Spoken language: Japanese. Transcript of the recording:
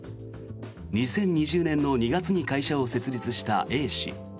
２０２０年の２月に会社を設立したＡ氏。